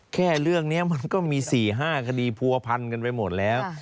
แค่เรื่องเนี่ยมันก็มีสี่ห้าคดีภูวะพันคนไปหมดแล้ว